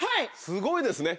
すごいですね。